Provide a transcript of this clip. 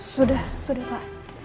sudah sudah pak